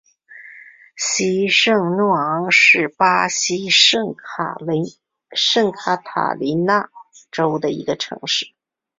西圣若昂是巴西圣卡塔琳娜州的一个市镇。